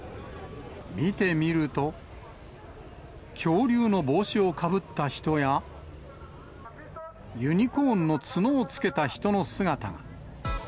見てみると、恐竜の帽子をかぶった人や、ユニコーンの角をつけた人の姿が。